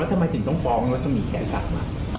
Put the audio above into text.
แล้วทำไมถึงต้องฟ้องรัฐสมีแขกกลับมา